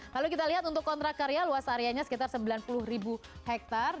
lalu kita lihat untuk kontrak karya luas areanya sekitar sembilan puluh ribu hektare